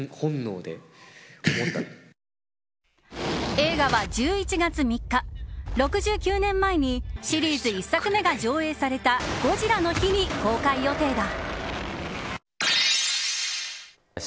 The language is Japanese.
映画は１１月３日６９年前にシリーズ１作目が上映されたゴジラの日に公開予定だ。